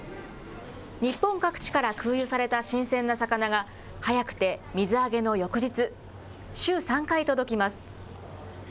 日本各地から空輸された新鮮な魚が、早くて水揚げの翌日、週３回届きます。